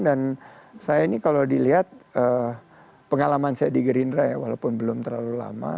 saya ini kalau dilihat pengalaman saya di gerindra ya walaupun belum terlalu lama